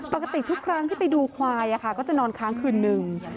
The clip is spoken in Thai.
ปกติทุกครั้งที่ไปดูควายก็จะนอนค้างคืนนึง